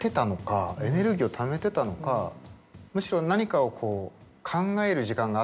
むしろ何かを。